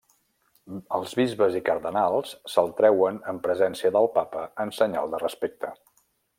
Els bisbes i cardenals se'l treuen en presència del Papa en senyal de respecte.